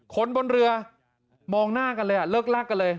คนบนเรือมองหน้ากันเลยเลิกลากกันเลย